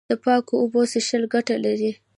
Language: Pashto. د پاکو اوبو څښل ګټه لري.